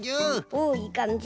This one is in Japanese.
おおいいかんじ。